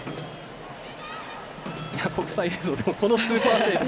国際映像でもこのスーパーセーブ